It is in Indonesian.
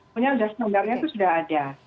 punya dasar nomernya itu sudah ada